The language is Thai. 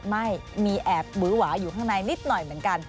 ไม่มีแอบหวือหวาอยู่ข้างในนิดหน่อยเหมือนกัน